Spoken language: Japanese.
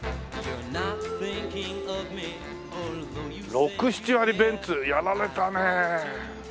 ６７割ベンツ！やられたねえ。